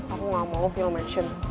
aku gak mau film mansion